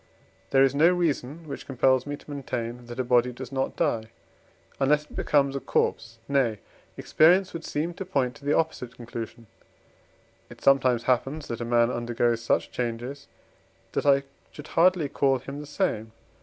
There is no reason, which compels me to maintain that a body does not die, unless it becomes a corpse; nay, experience would seem to point to the opposite conclusion. It sometimes happens, that a man undergoes such changes, that I should hardly call him the same.